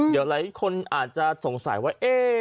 หลายคนอาจจะสงสัยว่า